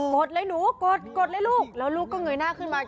ดเลยหนูกดกดเลยลูกแล้วลูกก็เงยหน้าขึ้นมา